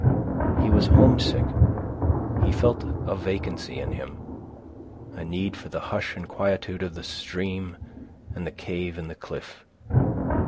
He was homesick. He felt a vacancy in him, a need for the hush and quietude of the stream and the cave in the cliff.